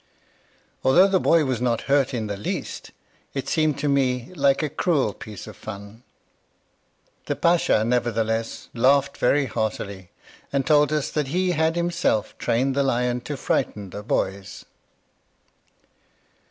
Although the boy was not hurt in the least, it seemed to me like a cruel piece of fun. The pacha, nevertheless, laughed very heartily, and told us that he had himself trained the lion to frighten the boys.